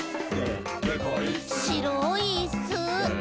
「しろいイッス！」